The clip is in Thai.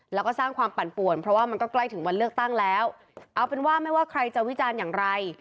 แล้วก็สร้างความปั่นป่วนเพราะว่ามันก็ใกล้ถึงวันเลือกตั้งแล้วเอาเป็นว่าไม่ว่าใครจะวิจารณ์อย่างไร